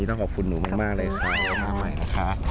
น้องต้องขอบคุณหนูมากเลยค่ะ